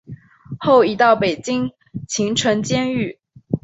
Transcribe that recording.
后移到北京秦城监狱。